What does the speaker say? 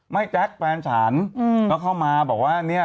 ไม่แจ๊กแฟนฉันก็เข้ามาบอกว่างี่